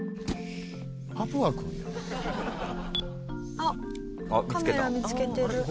「あっカメラ見つけてる」